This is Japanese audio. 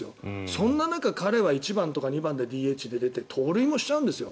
そんな中、彼は１番とか２番でＤＨで出て盗塁もするんですよ。